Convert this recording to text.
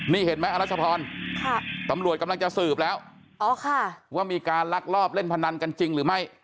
นี่เห็นไหมอรัชพรตำรวจกำลังจะสืบแล้วว่ามีการลักลอบเล่นพนันกันจริงหรือไม่